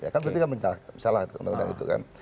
kan berarti tidak salah undang undang itu kan